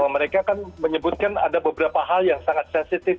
mereka kan menyebutkan ada beberapa hal yang sangat sensitif